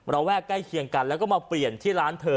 ระแวกใกล้เคียงกันแล้วก็มาเปลี่ยนที่ร้านเธอ